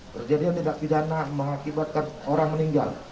terjadinya tindak pidana mengakibatkan orang meninggal